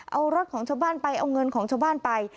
เอารถของชาวบ้านไปเอาเงินของชาวบ้านไป